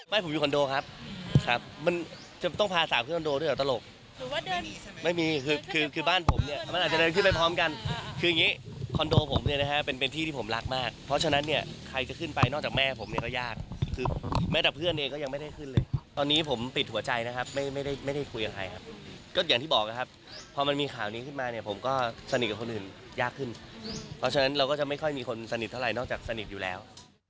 ผมปิดหัวใจนะครับไม่ได้คุยกับใครครับก็อย่างที่บอกนะครับพอมันมีข่าวนี้ขึ้นมาเนี่ยผมก็สนิทกับคนอื่นยากขึ้นเพราะฉะนั้นเราก็จะไม่ค่อยมีคนสนิทเท่าไรนอกจากสนิทอยู่แล้ว